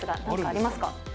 何かありますか？